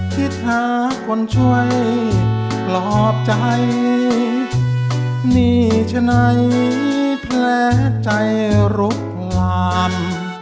ที่หาคนช่วยปลอบใจหนี้ฉะนั้นแผลใจลุกลาม